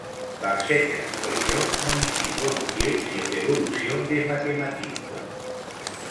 Par cette expression, on insiste volontiers sur l'évolution des mathématiques.